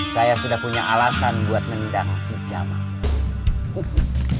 saya sudah punya alasan buat nendang si zaman